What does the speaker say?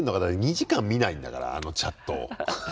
だって２時間見ないんだからあのチャットを。